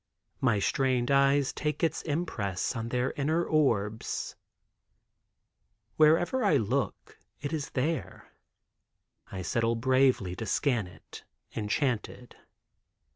My strained eyes take its impress on their inner orbs. Wherever I look it is there. I settle bravely to scan it, enchanted.